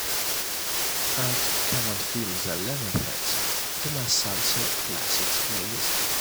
Add Come on Feel the Lemonheads to my salsa classics playlist.